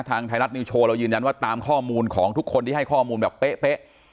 ไทยรัฐนิวโชว์เรายืนยันว่าตามข้อมูลของทุกคนที่ให้ข้อมูลแบบเป๊ะ